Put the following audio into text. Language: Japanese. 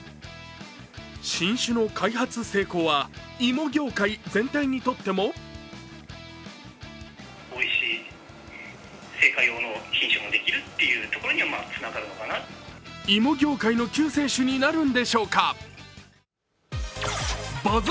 新種の開発成功は芋業界全体にとっても芋業界の救世主になるんでしょうか？